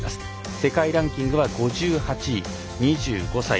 世界ランキングは５８位、２５歳。